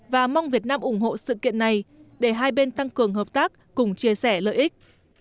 và mong việt nam ủng hộ sự kiện này để hai bên tăng cường hợp tác cùng chia sẻ lợi ích